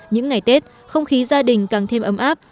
những ngày tết không khí gia đình càng thêm ấm áp